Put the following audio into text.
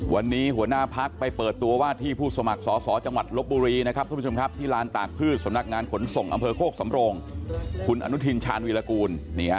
วันนี้หัวหน้าพักไปเปิดตัวว่าที่ผู้สมัครสอสอจังหวัดลบบุรีนะครับทุกผู้ชมครับที่ลานตากพืชสำนักงานขนส่งอำเภอโคกสำโรงคุณอนุทินชาญวีรกูล